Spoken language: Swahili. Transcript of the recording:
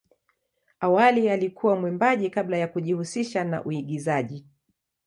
Awali alikuwa mwimbaji kabla ya kujihusisha na uigizaji.